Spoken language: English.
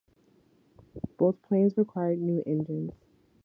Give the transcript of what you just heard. Both planes also required new engines.